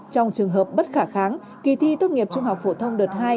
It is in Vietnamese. trong trường hợp bất khả kháng kỳ thi tốt nghiệp trung học phổ thông đợt hai